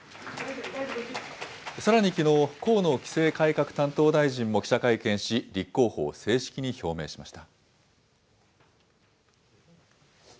さらにきのう、河野規制改革担当大臣も記者会見し、立候補を正式に表明しました。